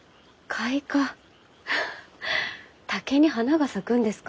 あ竹に花が咲くんですか？